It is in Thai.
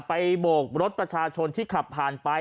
โบกรถประชาชนที่ขับผ่านไป